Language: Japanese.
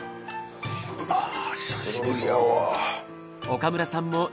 あぁ久しぶりやわ。